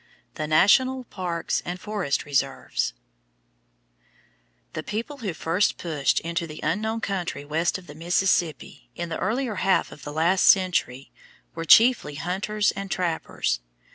THE NATIONAL PARKS AND FOREST RESERVES The people who first pushed into the unknown country west of the Mississippi, in the earlier half of the last century, were chiefly hunters and trappers.